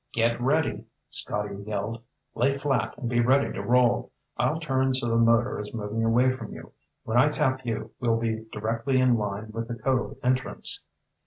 "Get ready!" Scotty yelled. "Lay flat and be ready to roll. I'll turn so the motor is moving away from you. When I tap you, we'll be directly in line with the cove entrance."